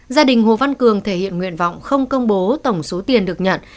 gia đình hồ văn cường thể hiện nguyện vọng không công bố tổng số tiền được nhận